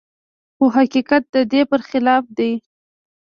خو حقيقت د دې پرخلاف دی.